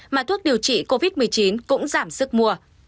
mà thuốc điều trị covid một mươi chín cũng giảm sức mua